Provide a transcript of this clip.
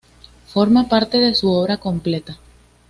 Forma parte de su Obra completa.